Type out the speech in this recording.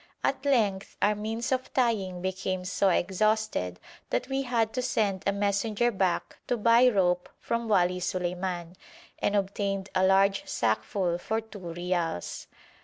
At length our means of tying became so exhausted that we had to send a messenger back to buy rope from Wali Suleiman, and obtained a large sackful for two reals.